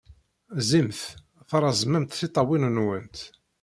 Zzimt, treẓmemt tiṭṭawin-nwent.